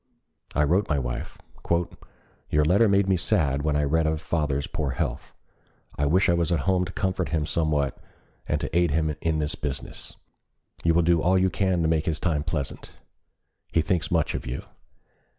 I wrote my wife: "Your letter made me sad when I read of father's poor health. I wish I was at home to comfort him somewhat and to aid him in his business. You will do all you can to make his time pleasant. He thinks much of you.